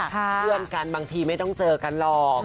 เพื่อนกันบางทีไม่ต้องเจอกันหรอก